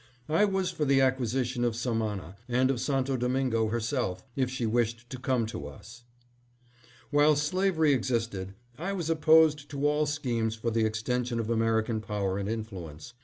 I was for the acquisition of Samana, and of Santo Domingo herself, if she wished to come to us. 732 THE FACTS ABOUT THE MOLE ST. NICOLAS. While slavery existed, I was opposed to all schemes for the extension of American power and influence.